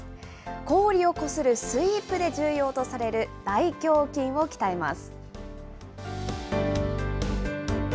氷をこするスイープで重要とされる大胸筋を鍛えます。